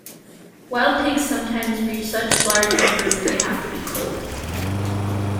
Wild pigs sometimes reach such large numbers that they have to be culled.